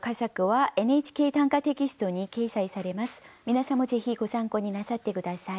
皆さんもぜひご参考になさって下さい。